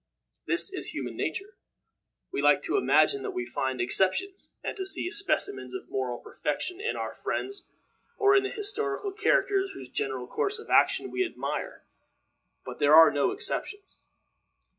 This is human nature. We like to imagine that we find exceptions, and to see specimens of moral perfection in our friends or in the historical characters whose general course of action we admire; but there are no exceptions.